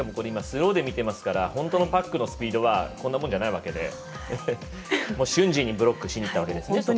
今、スローで見ていますから本当のパックのスピードはこんなもんじゃないわけで瞬時にブロックしにいったわけですね。